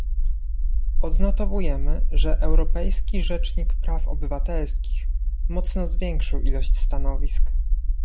Odnotowujemy, że Europejski Rzecznik Praw Obywatelskich mocno zwiększył ilość stanowisk